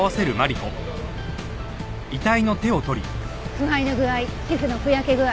腐敗の具合皮膚のふやけ具合